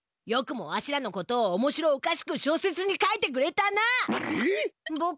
よくもわしらのことをおもしろおかしく小説に書いてくれたな！